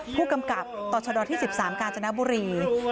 ผู้กำกับต่อชะดที่๑๓กาญจนบุรี